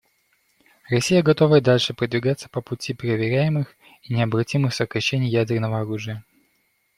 Россия готова и дальше продвигаться по пути проверяемых и необратимых сокращений ядерного оружия.